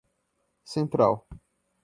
central